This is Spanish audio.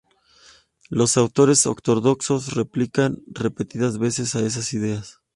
Los autores ortodoxos replicaron repetidas veces a esas ideas.